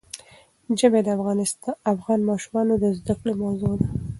ژمی د افغان ماشومانو د زده کړې موضوع ده.